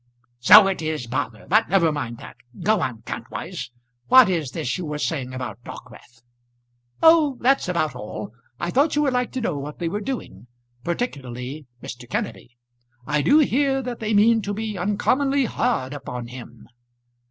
"So it is bother. But never mind that. Go on, Kantwise. What is this you were saying about Dockwrath?" "Oh, that's about all. I thought you would like to know what they were doing, particularly Mr. Kenneby. I do hear that they mean to be uncommonly hard upon him."